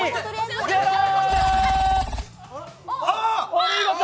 お見事！